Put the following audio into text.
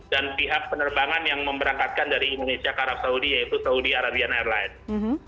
pihak penerbangan yang memberangkatkan dari indonesia ke arab saudi yaitu saudi arabian airlines